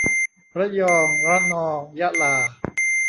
ระยอง ระนอง ยะลา